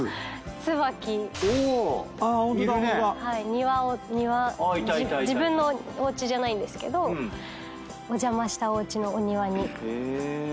庭を自分のおうちじゃないんですけどお邪魔したおうちのお庭に咲いてたものとか。